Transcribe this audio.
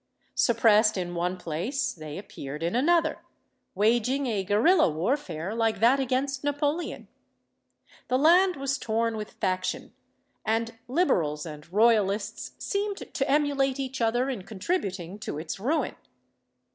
Suppressed in one place, they appeared in another, waging a guerrilla warfare like that against Napoleon. The land was torn with faction, and Liberals and Royalists seemed to emu late each other in contributing to its ruin.